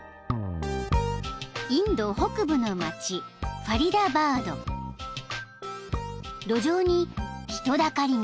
［インド北部の街ファリダバード］［路上に人だかりが］